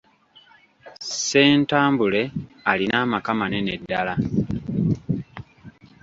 Ssentambule alina amaka manene ddala.